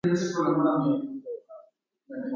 Beatriz róga.